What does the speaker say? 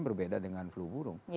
berbeda dengan peluburung